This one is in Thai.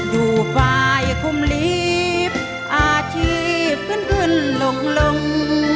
อยู่ฝ่ายคุมลีบอาชีพขึ้นขึ้นหลงหลง